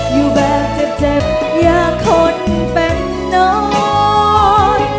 อยู่แบบเจ็บเจ็บอยากคนเป็นน้อย